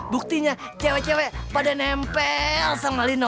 buktinya cewek cewek pada nempel sama lino